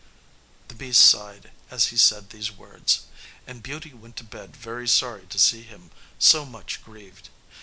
The beast sighed as he said these words, and Beauty went to bed very sorry to see him so much grieved.